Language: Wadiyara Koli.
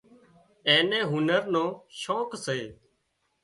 اين نين هنر نو شوق سي